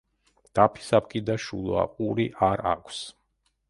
დაფის აპკი და შუა ყური არ აქვს.